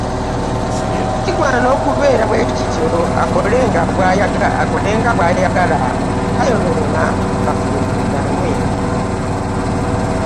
Kigwana okubeera bwe kityo, akolenga nga bw'ayagala; tayonoona; liafumbiriganwe.